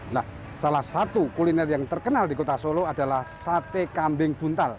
nah salah satu kuliner yang terkenal di kota solo adalah sate kambing buntal